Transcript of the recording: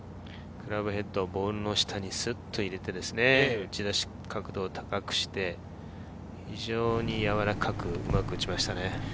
クラブヘッドをボールの下にスッと入れて、打ち出し角度を高くして非常に柔らかく打ちましたね。